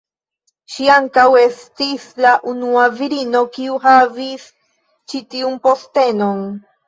Ŝi ankaŭ estis la unua virino kiu havis ĉi-tiun postenon.